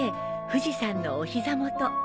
富士山のお膝元